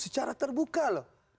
secara terbuka loh